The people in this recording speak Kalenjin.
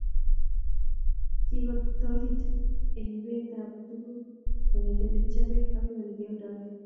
Kikotorit eng ibet ab tukuk kongete olekichobee akoi ole kioldoe